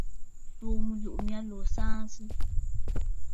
Tsùù mɨlùʼù mya lǒ saansə!